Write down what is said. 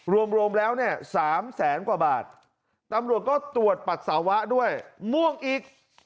รวมแล้วเนี่ย๓แสนกว่าบาทตำรวจก็ตรวจปัสสาวะด้วยม่วงอีก